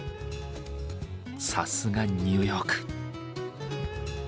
さすがニューヨーク。